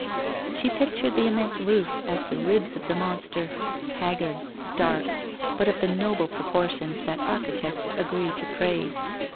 She pictured the immense roof as the ribs of the monster, hag gard, stark, but of the noble proportions that architects agree to praise.